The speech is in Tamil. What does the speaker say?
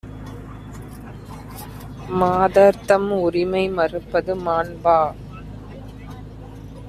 மாதர்தம் உரிமை மறுப்பது மாண்பா?